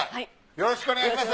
よろしくお願いします。